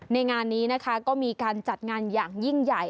งานนี้นะคะก็มีการจัดงานอย่างยิ่งใหญ่